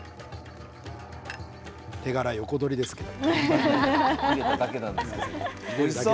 手柄横取りですけど。